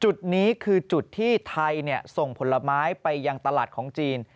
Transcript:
จุดนี้คือจุดที่ไทยส่งผลไม้ไปยังตลาดของจีน